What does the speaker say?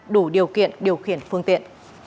đủ điều kiện điều khiển phương tiện